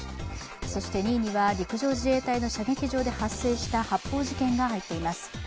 そして２位には射撃場で発生した発砲事件が入っています。